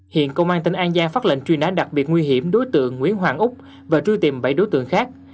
hiện công an tỉnh an giang phát lệnh truy nã đặc biệt nguy hiểm đối tượng nguyễn hoàng úc và truy tìm bảy đối tượng khác